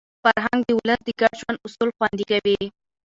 فرهنګ د ولس د ګډ ژوند اصول خوندي کوي.